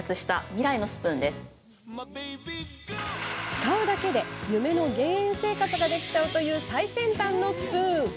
使うだけで夢の減塩生活ができちゃうという最先端のスプーン。